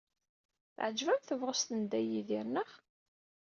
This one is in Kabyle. Teɛjeb-am tebɣest n Dda Yidir, naɣ?